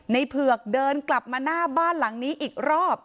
เผือกเดินกลับมาหน้าบ้านหลังนี้อีกรอบ